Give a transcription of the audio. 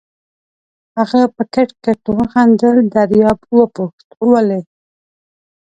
هغه په کټ کټ وخندل، دریاب وپوښت: ولې؟